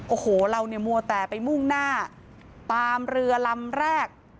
โอ้โหเราเนี่ยมัวแต่ไปมุ่งหน้าตามเรือลำแรก